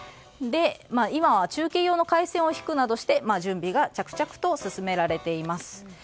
今は中継用の回線を引くなどして準備が着々と進められています。